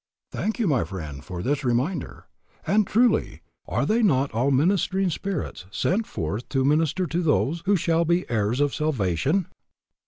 Thank you, my friend, for this reminder. And, truly, "are they not all ministering spirits sent forth to minister to those who shall be heirs of salvation?"